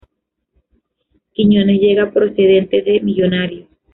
Quiñones llega procedente de Millonarios.